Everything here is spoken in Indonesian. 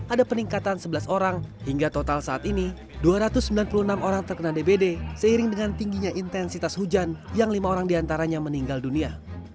ada peningkatan sebelas orang hingga total saat ini dua ratus sembilan puluh enam orang terkena dbd seiring dengan tingginya intensitas hujan yang lima orang diantaranya meninggal dunia